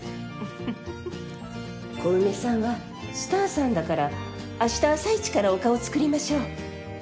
小梅さんはスターさんだから明日朝イチからお顔作りましょう。